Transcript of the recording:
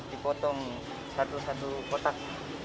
dipotong satu satu kotak